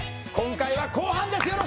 今回は後半です。